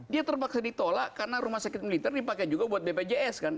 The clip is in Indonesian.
dia terpaksa ditolak karena rumah sakit militer dipakai juga buat bpjs kan